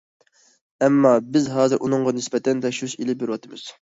ئەمما بىز ھازىر ئۇنىڭغا نىسبەتەن تەكشۈرۈش ئېلىپ بېرىۋاتىمىز.